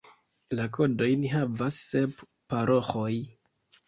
La kodojn havas sep paroĥoj.